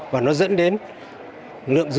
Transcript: và nó dẫn đến lượng dùng